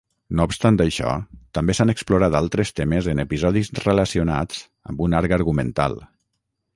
No obstant això, també s'han explorat altres temes en episodis relacionats amb un arc argumental.